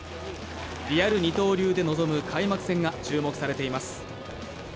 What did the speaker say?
リアル二刀流で臨む開幕戦が注目されています。